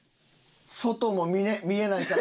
外も見えないから。